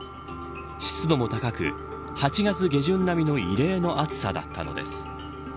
湿度も高く、８月下旬並みの異例の暑さだったのです。